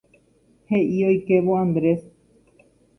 He'i oikévo Andrés.